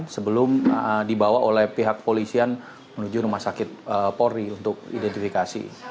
sebelum dibawa oleh pihak polisian menuju rumah sakit polri untuk identifikasi